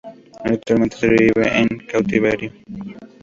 Actualmente sobrevive en cautiverio.